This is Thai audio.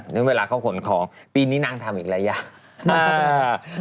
เวลาเขาขนของปีนี้นางทำอีกหลายอย่าง